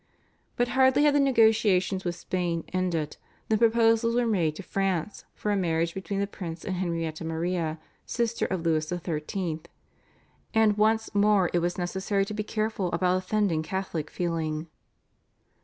But hardly had the negotiations with Spain ended than proposals were made to France for a marriage between the prince and Henrietta Maria, sister of Louis XIII., and once more it was necessary to be careful about offending Catholic feeling.